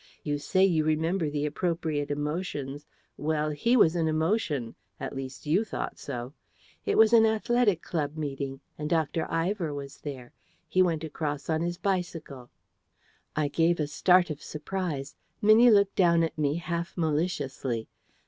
You say you remember the appropriate emotions. Well, he was an emotion: at least, you thought so. It was an Athletic Club Meeting: and Dr. Ivor was there. He went across on his bicycle." I gave a start of surprise. Minnie looked down at me half maliciously.